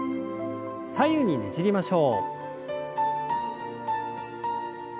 左右にねじりましょう。